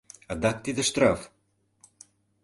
Адак тиде штраф?..